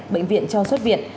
bệnh viện cho xuất viện